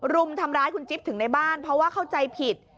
รุมทำร้ายคุณจิ๊บถึงในบ้านเพราะว่าเข้าใจผิด